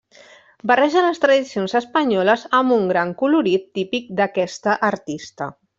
Barreja les tradicions espanyoles amb un gran colorit típic d'aquesta artista.